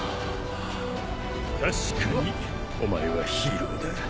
確かにお前はヒーローだ。